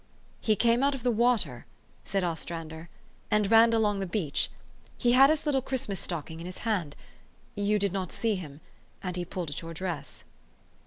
" He came out of the water," said Ostrander, u and ran along the beach. He had his little Christ mas stocking in his hand. You did not see him, and he pulled at your dress."